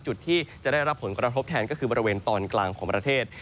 จุดที่จะได้รับผลกระทบแทนก็คือบริเวณตอนกลางของประเทศ